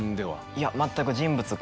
いや全く。